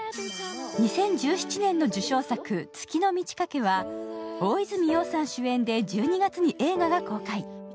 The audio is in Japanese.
２０１７年の受賞作「月の満ち欠け」は大泉洋さん主演で１２月に映画が公開。